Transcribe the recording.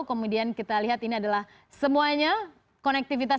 kemudian kita lihat ini adalah semuanya konektivitas